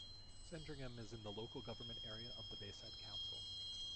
Sandringham is in the local government area of the Bayside Council.